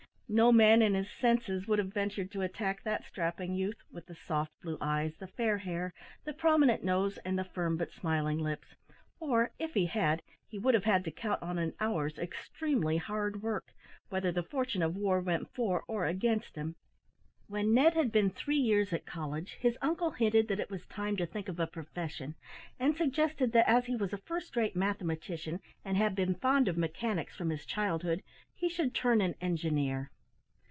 No man in his senses would have ventured to attack that strapping youth with the soft blue eyes, the fair hair, the prominent nose, and the firm but smiling lips, or, if he had, he would have had to count on an hour's extremely hard work, whether the fortune of war went for or against him. When Ned had been three years at college, his uncle hinted that it was time to think of a profession, and suggested that as he was a first rate mathematician, and had been fond of mechanics from his childhood, he should turn an engineer.